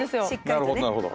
なるほどなるほど。